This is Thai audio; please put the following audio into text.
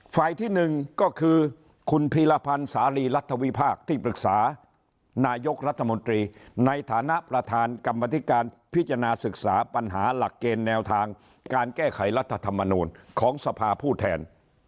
ที่๑ก็คือคุณพีรพันธ์สาลีรัฐวิพากษ์ที่ปรึกษานายกรัฐมนตรีในฐานะประธานกรรมธิการพิจารณาศึกษาปัญหาหลักเกณฑ์แนวทางการแก้ไขรัฐธรรมนูลของสภาผู้แทน